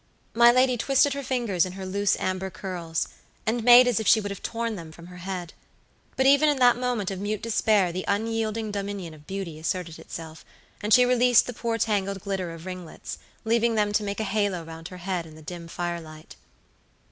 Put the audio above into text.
My lady twisted her fingers in her loose amber curls, and made as if she would have torn them from her head. But even in that moment of mute despair the unyielding dominion of beauty asserted itself, and she released the poor tangled glitter of ringlets, leaving them to make a halo round her head in the dim firelight.